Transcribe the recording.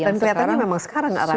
dan kelihatannya memang sekarang arahnya